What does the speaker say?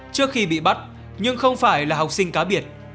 trước khi bị bắt nhưng không phải là học sinh cá biệt